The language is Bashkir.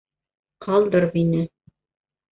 Ҡалдыр мине.